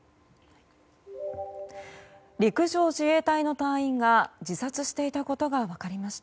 陸上自衛隊の隊員が自殺していたことが分かりました。